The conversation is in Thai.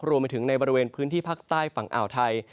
รวมไปถึงในบริเวณพื้นที่ภาคใต้ฝั่งอ่าวไทย